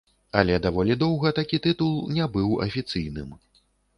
Але даволі доўга такі тытул не быў афіцыйным.